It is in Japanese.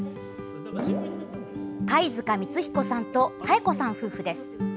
貝塚光彦さんと妙子さん夫婦です。